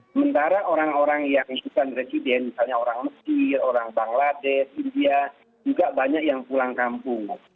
sementara orang orang yang bukan resident misalnya orang mesir orang bangladesh india juga banyak yang pulang kampung